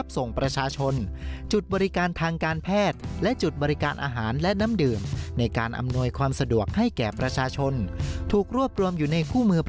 โปรดติดตามตอนต่อไป